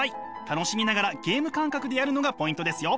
楽しみながらゲーム感覚でやるのがポイントですよ！